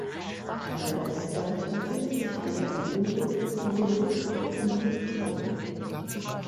An der Ostseite befindet sich eine Empore mit den Sitzplätzen für Frauen.